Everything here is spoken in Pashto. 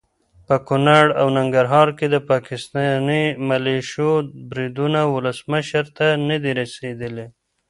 په کنړ او ننګرهار کې د پاکستاني ملیشو بریدونه ولسمشر ته ندي رسېدلي.